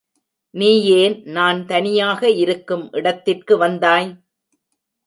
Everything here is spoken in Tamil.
நீயேன் நான் தனியாக இருக்கும் இடத்திற்கு வந்தாய்?